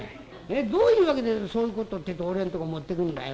どういう訳でそういうことってえと俺のとこ持ってくんだよ？